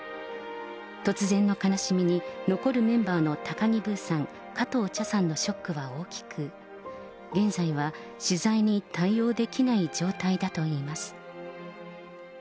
突然の悲しみに、残るメンバーの高木ブーさん、加藤茶さんのショックは大きく、現在は取材に対応できない状態だといいます。